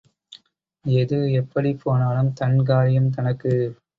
எது எப்படிப் போனாலும் தன் காரியம் தனக்கு.